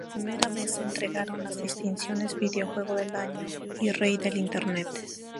Por primera vez se entregaron las distinciones videojuego del año y Rey del Internet.